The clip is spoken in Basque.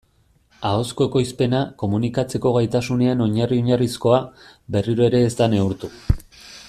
Ahozko ekoizpena, komunikatzeko gaitasunean oinarri-oinarrizkoa, berriro ere ez da neurtu.